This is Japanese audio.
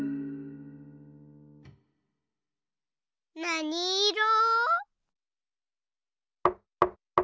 なにいろ？